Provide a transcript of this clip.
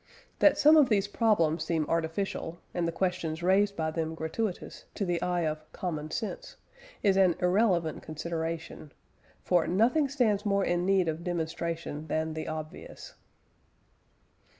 That some of these problems seem artificial, and the questions raised by them gratuitous, to the eye of "common sense" is an irrelevant consideration, for "nothing stands more in need of demonstration than the obvious."